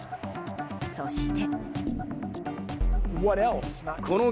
そして。